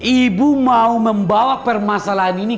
ibu mau membawa permasalahan ini